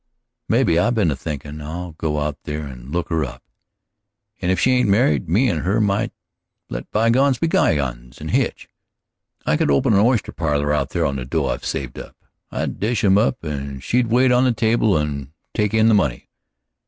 "Maybe. I've been a thinkin' I'd go out there and look her up, and if she ain't married, me and her we might let bygones be bygones and hitch. I could open a oyster parlor out there on the dough I've saved up; I'd dish 'em up and she'd wait on the table and take in the money.